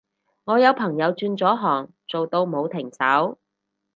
我有朋友轉咗行做到冇停手